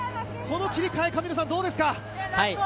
この切り替え、神野さん、どうですか。